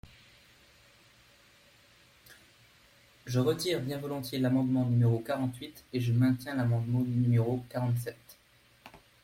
Je retire bien volontiers l’amendement numéro quarante-huit, et je maintiens l’amendement numéro quarante-sept.